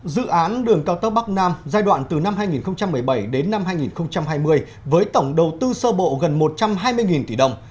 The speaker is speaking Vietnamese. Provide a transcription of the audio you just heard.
dự án đường cao tốc bắc nam giai đoạn từ năm hai nghìn một mươi bảy đến năm hai nghìn hai mươi với tổng đầu tư sơ bộ gần một trăm hai mươi tỷ đồng